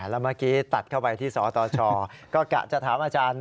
แล้วเมื่อกี้ตัดเข้าไปที่สตชก็กะจะถามอาจารย์